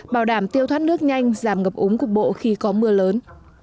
bảo đảm tiêu thoát nước nhanh giảm ngập ống cục bộ khi có mưa lớn